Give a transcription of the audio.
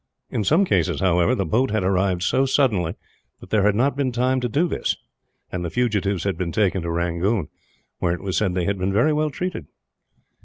In some cases, however, the boats had arrived so suddenly that there had not been time to do this; and the fugitives had been taken to Rangoon, where it was said they had been very well treated.